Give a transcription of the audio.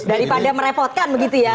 daripada merepotkan begitu ya